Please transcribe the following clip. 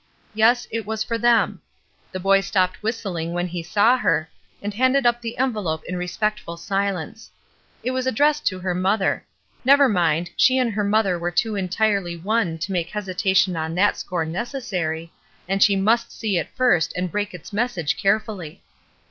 Yes, it was for them. The boy stopped whistling, when he saw her, and handed up the envelope in respectful sUence. It was addressed to her mother; never mind, she and her mother were too entirely one to make hesitation on that score necessary, and she must see it first and break its message carefully.